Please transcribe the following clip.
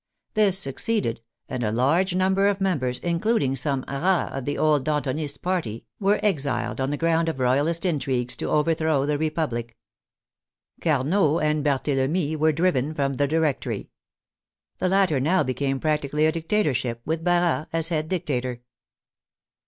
This succeeded, and a large number of members, including some " rats " of the old Dantonist party, were exiled on the ground of Royalist intrigues to overthrow the Republic. Carnot and Barthelemy were driven from the Directory. The latter now became prac tically a dictatorship, with Barras as head dictator.